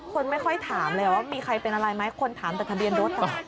คนไม่ค่อยถามเลยว่ามีใครเป็นอะไรไหมคนถามแต่ทะเบียนรถ